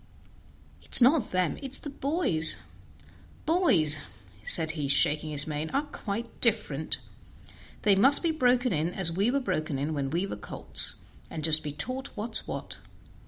It is not them, it is the boys; boys," said he, shaking his mane, "are quite different; they must be broken in as we were broken in when we were colts, and just be taught what's what.